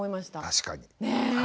確かに。ね！